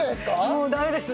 もうダメです。